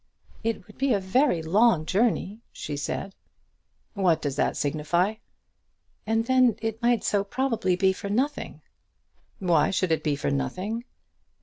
"It would be a very long journey," she said. "What does that signify?" "And then it might so probably be for nothing." "Why should it be for nothing?"